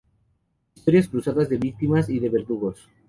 Historias cruzadas, de víctimas y de verdugos.